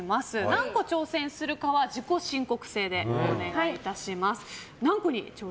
何個挑戦するかは自己申告制でお願いいたします。